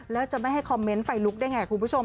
แล้วจะไม่ให้คอมเมนต์ไฟลุกได้ไงคุณผู้ชม